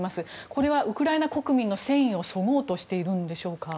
これはウクライナ国民の戦意をそごうとしているんでしょうか。